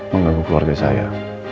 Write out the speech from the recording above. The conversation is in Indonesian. mengganggu keluarga saya